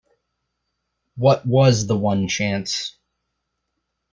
What was the one chance?